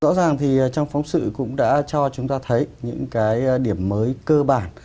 rõ ràng thì trong phóng sự cũng đã cho chúng ta thấy những cái điểm mới cơ bản